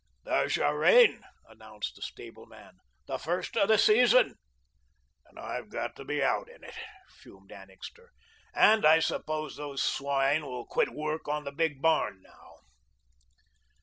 "There's your rain," announced the stableman. "The first of the season." "And I got to be out in it," fumed Annixter, "and I suppose those swine will quit work on the big barn now."